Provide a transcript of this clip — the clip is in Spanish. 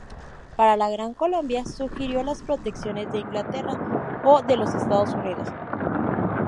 Para la Gran Colombia sugirió la protección de Inglaterra o de los Estados Unidos.